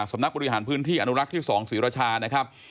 สำนักบริหารพื้นที่อนุรักษ์ที่๒ศรีรชานะครับ